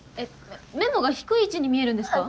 メモが低い位置に見えるんですか？